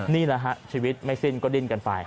นี่แหละฮะชีวิตไม่สิ้นก็ดิ้นกันไป